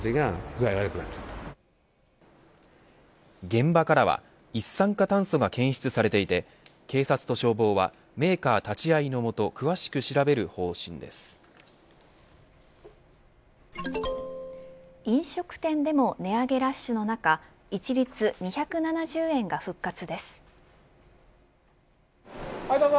現場からは一酸化炭素が検出されていて警察と消防は、メーカー立ち会いの下飲食店でも値上げラッシュの中一律２７０円が復活です。